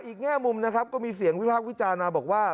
แง่มุมนะครับก็มีเสียงวิพากษ์วิจารณ์มาบอกว่า